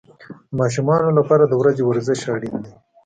د ماشومانو لپاره د ورځې ورزش اړین دی.